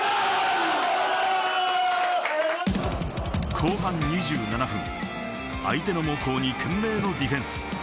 後半２７分、相手の猛攻に懸命のディフェンス。